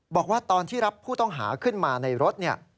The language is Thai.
บอกว่าตอนที่รับผู้ต้องหาขึ้นมาในรถเนี่ย